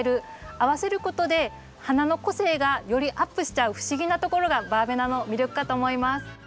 合わせることで花の個性がよりアップしちゃう不思議なところがバーベナの魅力かと思います。